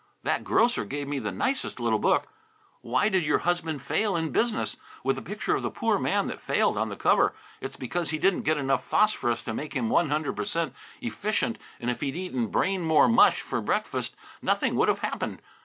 That grocer gave me the nicest little book, 'Why Did Your Husband Fail in Business?' with a picture of the poor man that failed on the cover. It's because he didn't get enough phosphorous to make him 100 per cent. efficient, and if he'd eaten 'Brain more' mush for breakfast, nothing would have happened.